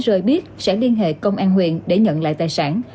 rồi biết sẽ liên hệ công an huyện để nhận lại tài sản